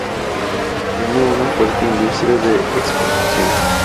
Tiene una fuerte industria de exportación.